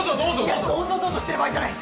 いやどうぞどうぞしてる場合じゃない。